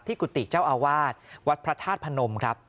กุฏิเจ้าอาวาสวัดพระธาตุพนมครับ